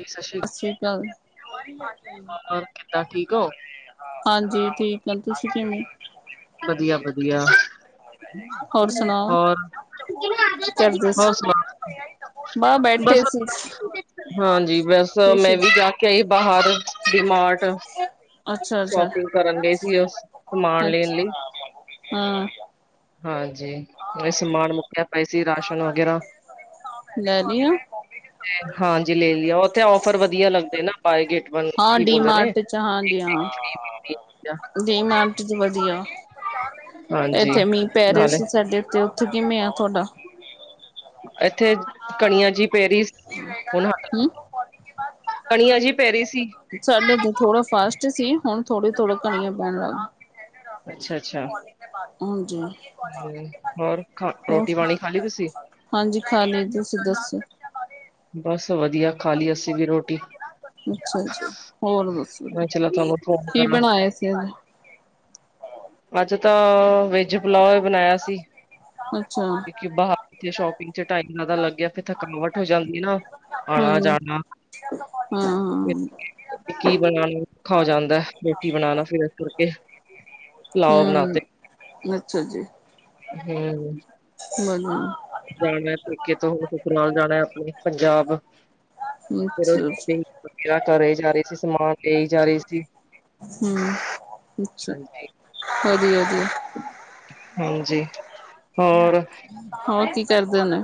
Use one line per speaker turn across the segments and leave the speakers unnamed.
ਜੀ ਸ਼੍ਰੀ
ਸਤਿ ਸ੍ਰੀ ਅਕਾਲ ਜੀ,
ਅਕਾਲ ਕਿੱਦਾਂ ਠੀਕ ਹੋ
ਹਾਂਜੀ ਠੀਕ ਐ ਤੁਸੀ ਕਿਵੇਂ ਔ?
ਵਧੀਆ ਵਧੀਆ,
ਹੋਰ ਸੁਣਾਓ?
ਹੋਰ
ਕੀ ਕਰਦੇ
ਹੋਰ
ਸੀ?
ਸੁਣਾਔ
ਬਸ ਬੈਠੇ ਸੀ।
ਹਾਂਜੀ, ਬਸ ਮੈਂ
ਤੁਸੀਂ
ਵੀ ਜਾ ਕੇ ਬਾਹਰ, ਡੀ ਮਾਰਟ
ਅੱਛਾ ਅੱਛਾ।
ਸ਼ੋਪਿੰਗ ਕਰਨ ਗਏ ਸੀ, ਉਸ ਸਮਾਨ ਲੈਣ
ਅੱਛਾ
ਲਈ
ਹਾਂ
ਹਾਂਜੀ ਇਹ ਸਮਾਨ ਪੈਸੇ ਰਾਸ਼ਨ ਵਗੈਰਾ,
ਲੈ ਲਿਆ।
ਤੇ ਹਾਂ ਜੀ ਲੇ ਲਿਆਂ ਤੇ ਆਫਰ ਵਧੀਆ ਲੱਗਦੇ ਨਾ, ਬਾਏ ਗਟ ਵਨ ਫ੍ਰੀ,
ਹਾਂ
ਕੀ
ਡੀ
ਬੋਲਦੇ ਨੇ
ਮਾਰਟ ਚ ਹਾਂਜੀ ਹਾਂ। ਡੀ ਮਾਰਟ, ਜੀ ਵਧੀਆ
ਹਾਂਜੀ
ਐਥੇ ਮੀਂਹ ਪੈ ਰਿਯਾ
ਨਾਲੇ
ਸੀ ਸਾਡੇ ਐਥੇ, ਉਥੇ ਕਿਵੇਂ ਆ ਤੁਹਾਡਾ
ਇੱਥੇ ਕਣੀਆਂ ਜੀ, ਪੈ ਰਹੀਆਂ ਸੀ, ਹੁਣ ਹਟ ਗਈਆਂ।
ਸਾਡੇ ਇਥੇ ਥੋੜਾ ਫਾਸਟ ਸੀ, ਹੁਣ ਥੋੜੇ ਥੋੜੇ ਕਣੀਆਂ ਪੈਣ ਲੱਗ ਗਈ।
ਅੱਛਾ ਅੱਛਾ
ਹਾਂਜੀ
ਹਮ ਹੋਰ ਖਾ
ਹੋ
ਰੋਟੀ ਪਾਣੀ ਖਾ ਲਈ ਤੁਸੀਂ?
ਹਾਂਜੀ ਖਾਲੀ, ਤੁਸੀਂ ਦੱਸੋ।
ਬਸ ਵਧੀਆ, ਖਾਲੀ ਅਸੀਂ ਵੀ ਰੋਟੀ।
ਹੋਰ ਦਸੋ,
ਮੈਂ ਚਲੋ ਤੁਹਾਨੂੰ ਫੋਨ
ਕੀ
ਕਰਾਂ।
ਬਣਾਇਆ ਸੀ ਅੱਜ
ਅੱਜ ਤਾਂ, ਵੈਜ਼ ਪਲਾਓ ਬਣਾਇਆ ਸੀ।
ਅੱਛਾ।
ਸ਼ੋਪਿੰਗ ਚ ਟਾਈਪ ਜਾਦਾ ਲੱਗ ਗਿਆ, ਫਿਰ ਤਾਂ ਕਨਵਰਟ ਹੋ ਜਾਂਦੀ ਆ ਨਾ ਆਣਾ
ਹਾਂਜੀ,
ਜਾਣਾ,
ਹਾਂ-ਹਾਂ।
ਕੀ ਬਣਾਣ ਨੂ ਔਖਾ ਹੋ ਜਾਂਦਾ ਐ। ਰੋਟੀ ਬਣਾਣਾ ਸੀ, ਇਸ ਕਰਕੇ ਪੁਲਾਓ ਬਣਾ ਤੇ ।
ਹੂੰ, ਅੱਛਾ ਜੀ
[unintelligible]
[unintelligible]
ਜਾਣਾ ਪੇਕੇ ਤੋਂ, ਹੋ ਨਾਲ ਜਾਣਾ ਆਪਣੇ ਪੰਜਾਬ ਫਿਰ ਉਹ
ਅੱਛਾ।
ਸ਼ੋਪਿੰਗ ਵਗੈਰਾ ਕਰੇ ਜਾ ਰਹੇ ਸੀ, ਸਮਾਨ ਲ ਜਾ ਰਹੀ ਸੀ।
ਹੂੰ, ਅੱਛਾ,
ਹਾਂਜੀ
[unintelligible]
ਹਾਂਜੀ
ਹੋਰ ਕੀ ਕਰਦੇ ਨੇ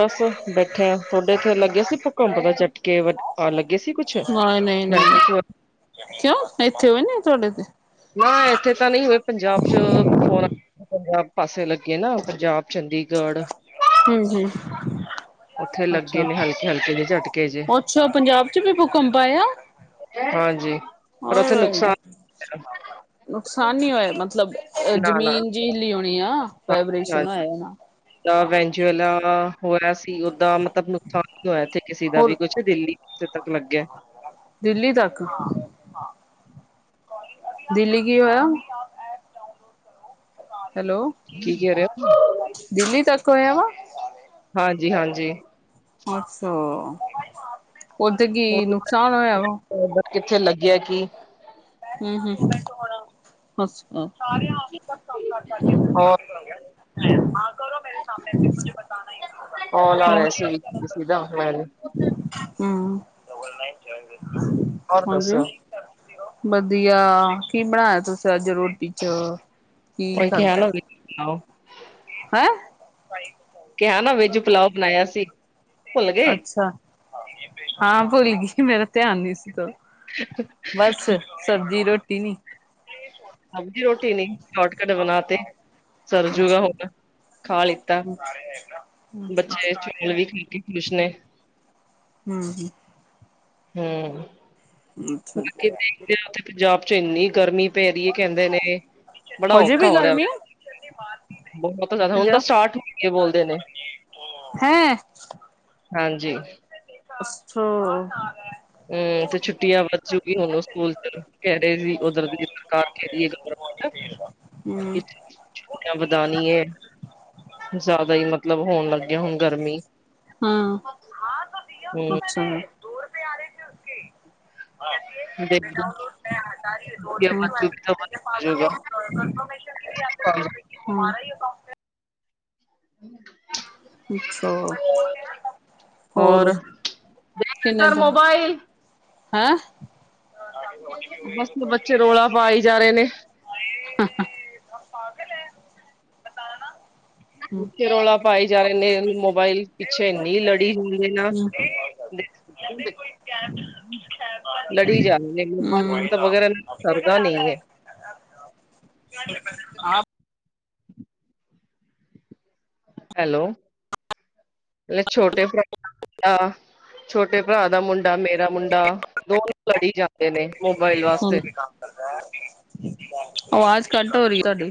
ਬਸ ਬੈਠੇ ਆ ਤੁਹਾਡੇ ਇੱਥੇ ਲੱਗੇ ਸੀ, ਭੁਕਮ ਦੇ ਛਟਕੇ ਲੱਗੇ ਸੀ ਕੁਛ
ਨਹੀਂ ਨਹੀਂ
ਮੈਂ
ਨਹੀਂ ਕਿਉਂ ਇੱਥੇ ਹੋਏ ਨ ਤੁਹਾਡੇ ਤੇ?
ਨਾ ਇੱਥੇ ਤਾਂ ਨਹੀਂ ਹੋਏ ਪੰਜਾਬ ਚ, ਫੋ ਪੰਜਾਬ ਪਾਸੇ ਲੱਗੇ ਨਾ ਪੰਜਾਬ ਚੰਡੀਗੜ੍ਹ
ਹੂ ਹੂ
ਉੱਥੇ ਲੱਗੇ
ਅੱਛਾ ਅੱਛਾ,
ਨੇ ਹਲਕੇ ਹਲਕੇ ਜਿਹੇ ਝਟਕੇ ਜੇ
ਔਚ ਪੰਜਾਬ ਚ ਵੀ ਭੂਕੰਬ ਆਯਾ।
ਹਾਂਜੀ ਪਰ ਉਥੇ ਨੁਕਸਾਨ
ਨੁਕਸਾਨ ਨ ਹੋਇਆ, ਮਤਲਬ
ਨਾ ਨਾ
ਜ਼ਮੀਨ ਜੀ ਹਿੱਲੀ ਹੋਉਣੀ ਆ, ਫਾਇਬ੍ਰੇਸ਼ਨ ਹੋਇਆ।
[unintelligible] ਔਦਾਂ ਮਤਲਬ ਨੁਕਸਾਨ ਨੀ ਹੋਇਆ ਇੱਥੇ ਕਿਸੇ ਦਾ ਵੀ,
ਹੋਰ
ਕੁਛ ਦਿੱਲੀ ਜਿਥੇ ਤੱਕ ਲੱਗਿਆ
ਦਿੱਲੀ ਤੱਕ, ਹਾਂ ਦਿੱਲੀ ਕੀ ਹੋਇਆ ਹੈਲੋ,
ਕੀ ਕਹਿ ਰਹੇ ਹੋ
ਦਿੱਲੀ ਤੱਕ ਹੋਇਆ ਵਾ
ਹਾਂਜੀ ਹਾਂਜੀ
ਅੱਛਾ ਔਥੇ ਕੀ ਨੁਕਸਾਨ ਹੋਇਆ ਵਾ
ਕਿੱਥੇ ਲੱਗਿਆ ਕੀ
ਹੂ ਹੂ ਅੱਛਾ
ਹਾਂ
[unintelligible]
ਕਾਲ ਆ ਰਿਹਾ ਸੀ ਕਿਸੀ ਦਾ ਮੈਨੂੰ
[unintelligible] [unintelligible]
ਹੋਰ ਦੱਸੋ
ਹਾਂਜੀ ਵਧੀਆ ਕੀ ਬਣਾਇਆ ਤੁਸੀਂ ਅੱਜ ਰੋਟੀ ਚ ਕੀ
ਉਹੀ ਕਿਹਾ ਨਾ
ਖਾਧਾ
ਵੈਜ ਪੁਲਾਓ
[unintelligible]
ਕਿਹਾ ਨਾ ਵੈਜ ਪਲਾਓ ਬਣਾਇਆ ਸੀ ਭੁੱਲ ਗਏ।
ਅੱਛਾ ਹਾਂ ਭੁੱਲ ਗਈ ਮੇਰਾ ਧਿਆਨ ਨੀ ਸੀ ਤੋਂ ਬਸ ਸਬਜ਼ੀ ਰੋਟੀ ਨੀ
ਸਰਜੂ ਗਾ
ਅੱਛਾ।
ਹੋਰ ਖਾ ਲਿੱਤਾ
ਹੂੰ
ਬੱਚੇ ਚੋਲ ਵੀ ਖਾ ਕੇ ਖ਼ੁਸ਼ ਨੇ
[unintelligible]
ਹਮ
ਅੱਛਾ ਜੀ।
ਬਾਕੀ ਦੇਖਦੇ ਹਾਂ ਪੰਜਾਬ ਚ ਇੰਨੀ ਗਰਮੀ ਪੈ ਰਹੀ ਹੈ ਜਾਂਦੇ ਨੇ ਬੜਾ
ਹੋਜੇ
ਔਖਾ
ਵੀ
ਹੋ ਰਿਹਾ
ਗਰਮੀ
ਬਹੁਤ ਜ਼ਦਾ ਹੁਣ ਤਾਂ ਸਟਾਰਟ ਹੋਈ ਬੋਲਦੇ ਨੇ ਹਾਂਜੀ
ਅੱਛਾ
ਹਮ ਤੇ ਛੁੱਟੀਆਂ ਵੱਧ ਜੂਗੀ ਹੁਣ ਉਹ ਸਕੂਲ ਚ ਕਹਿ ਰਹੇ ਸੀ ਉਧਰ ਦੀ ਸਰਕਾਰ ਕ ਰ ਹੈ ਗ
ਹਮ
ਵਧਾਨੀ ਹੈ ਜ਼ਿਆਦਾ ਹੀ ਮਤਲਬ ਹੋਣ ਲੱਗਿਆ ਹੁਣ ਗਰਮੀ ਹਮ
[unintelligible]
[unintelligible] ਬੱਚੋ ਤਾਂ ਹੋਜੂਗਾ
[unintelligible]
[unintelligible]
ਅੱਛਾ ਹੋਰ ਕਿੰਨੇ
ਕਰ
ਦਿਨ
ਮੋਬਾਈਲ
ਹੈਂ
ਬਸ ਬੱਚੇ ਰੌਲਾ ਪਾਈ ਜਾ ਰਹੇ ਨੇ
[unintelligible] ਹੂੰ
ਬੱਚੇ ਰੌਲਾ ਪਾਏ ਜਾ ਰਹੇ ਨੇ ਮੋਬਾਇਲ ਪਿੱਛੇ ਇਨੀ ਲੜੀ ਹੁੰਦੀ ਹੈ ਨਾ
ਹੂੰ
ਲੜੀ ਜਾਣਗੇ
ਹੂੰ।
ਏਕ ਵਗੈਰਾ ਸਕਦਾ ਨਹੀਂ ਹੈ
[unintelligible]
ਹ ਹੈਲੋ ਛੋਟੇ [unintelligible] ਛੋਟੇ ਭਰਾ ਦਾ ਮੁੰਡਾ ਮੇਰਾ ਮੁੰਡਾ ਦੋਨ ਲੜੀ ਜਾ
ਆਵਾਜ਼ ਕਟ ਹੋ ਰਹੀ ਤੁਹਾਡੀ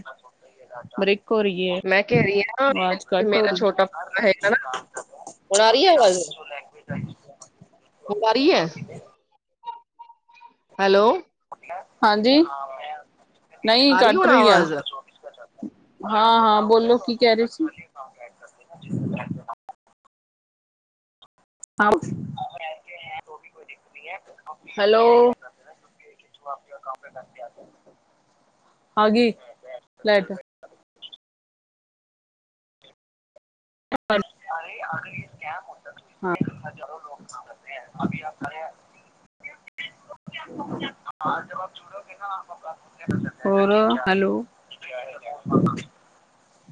ਬਰੇਕ
ਮੈਂ ਕਹਿ ਰਹੀ ਹਾਂ
ਆਵਾਜ਼
ਕਿ
ਘੱਟ ਹੋ
ਮੇਰਾ
ਰਹੀ
ਛੋਟਾ ਹੈਗਾ ਨਾ ਹੁਣ ਆ
ਲੈਂਗੁਏਜ ਦਾ ਇੱਸੁ ਹੋਣਾ ਸੀ
ਘਰ ਹੀ ਹੈ ਹੈਲੋ
ਹਾਂਜੀ ਨਹੀਂ
ਆ
ਕੱਟ
ਹੁਣ
ਰਹੀ ਆ
ਆਵਾਜ਼
ਹਾਂ ਹਾਂ ਬੋਲੋ ਕੀ ਕਹਿ ਰਹੀ [inaudible] ਹੈਲੋ ਆਪ ਜਿਆ ਕਮ ਹੈ ਮੈਨੂੰ ਲੀਆਦੇ ਆ ਗੀ ਫਲੈਟ ੁੰ [unintelligible] [unintelligible]
ਹ
[inaudible] ਹੋਰ ਹੈਲੋ [inaudible]